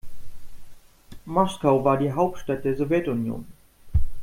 Moskau war die Hauptstadt der Sowjetunion.